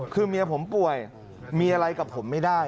คือเมียผมป่วยมีอะไรกับผมไม่ได้